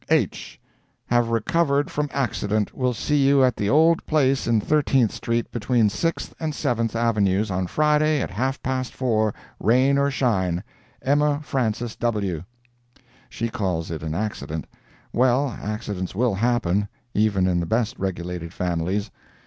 "H.—HAVE RECOVERED FROM ACCIDENT. WILL SEE YOU at the old place in Thirteenth street, between Sixth and Seventh avenues, on Friday, at half past four, rain or shine. EMMA FRANCIS W. She calls it an accident. Well, accidents will happen, even in the best regulated families.